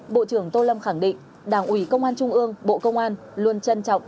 bộ trưởng tô lâm khẳng định đảng ủy công an trung ương bộ công an luôn trân trọng